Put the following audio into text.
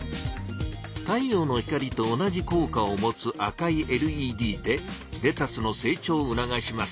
太陽の光と同じこう果をもつ赤いＬＥＤでレタスの成長をうながします。